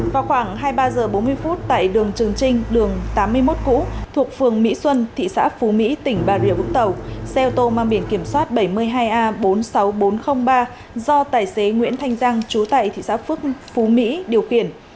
vào khoảng hai mươi ba h bốn mươi phút tại đường trường trinh đường tám mươi một cũ thuộc phường mỹ xuân thị xã phú mỹ tỉnh bà rịa vũng tàu xe ô tô mang biển kiểm soát bảy mươi hai a bốn mươi sáu nghìn bốn trăm linh ba do tài xế nguyễn thanh giang chú tại thị xã phước phú mỹ điều khiển